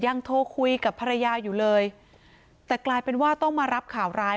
โทรคุยกับภรรยาอยู่เลยแต่กลายเป็นว่าต้องมารับข่าวร้าย